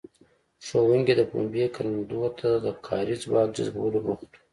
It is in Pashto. ښوونکي د پنبې کروندو ته د کاري ځواک جذبولو بوخت وو.